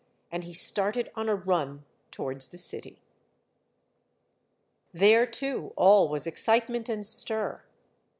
" and he started on a run towards the city. IV. There, too, all was excitement and stir.